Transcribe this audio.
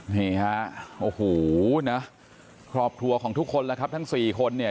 นี่ฮะโอ้โหนะครอบครัวของทุกคนแล้วครับทั้งสี่คนเนี่ย